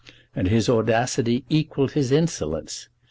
And his audacity equalled his insolence.